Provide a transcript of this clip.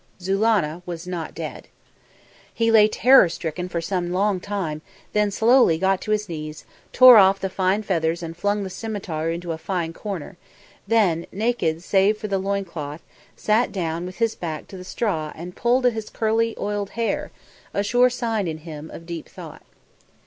Zulannah was not dead. He lay terror stricken for some long time, then slowly got to his knees, tore off the fine feathers and flung the scimitar into a far corner; then, naked save for the loin cloth, sat down with his back to the straw and pulled at his curly oiled hair, a sure sign in him of deep thought.